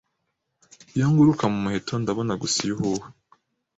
Iyo nguruka mu muheto ndabona gusa iyo uhuha